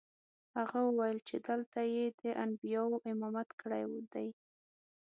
هغه وویل چې هلته یې د انبیاوو امامت کړی دی.